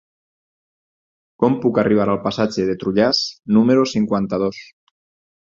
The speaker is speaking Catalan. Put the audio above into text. Com puc arribar al passatge de Trullàs número cinquanta-dos?